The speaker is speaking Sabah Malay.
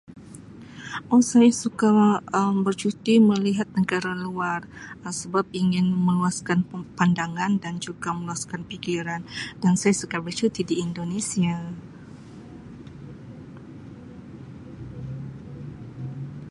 Oh saya suka Um bercuti melihat negara luar Um sebab ingin meluaskan pandangan dan juga meluaskan pikiran dan saya suka bercuti di Indonesia.